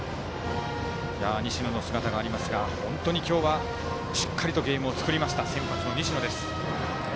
西野の姿がありますが本当に今日はしっかりとゲームを作りました先発の西野です。